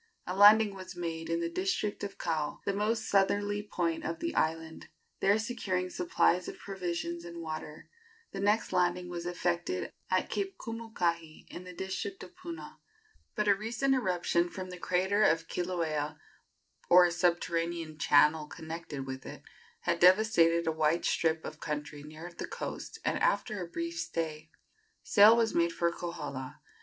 A landing was made in the district of Kau, the most southerly point of the island. There securing supplies of provisions and water, the next landing was effected at Cape Kumukahi, in the district of Puna; but a recent eruption from the crater of Kilauea, or a subterranean channel connected with it, had devastated a wide strip of country near the coast, and after a brief stay sail was made for Kohala.